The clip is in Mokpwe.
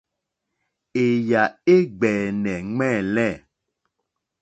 Èyà é ɡbɛ̀ɛ̀nɛ̀ ŋmɛ̂lɛ̂.